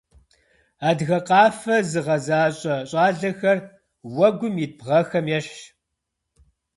Адыгэ къафэ зыгъэзащӏэ щӏалэхэр уэгум ит бгъэхэм ещхьщ.